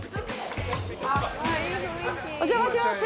お邪魔します。